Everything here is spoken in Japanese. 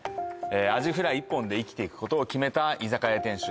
アジフライ１本で生きていくことを決めた居酒屋店主